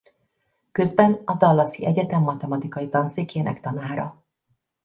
Közben a Dallasi Egyetem matematikai tanszékének tanára.